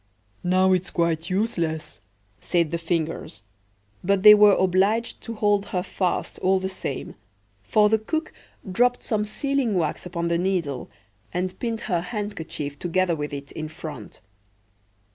"Now it's quite useless," said the Fingers; but they were obliged to hold her fast, all the same; for the cook dropped some sealing wax upon the needle, and pinned her handkerchief together with it in front.